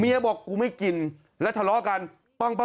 เมียบอกกูไม่กินและทะเลากัน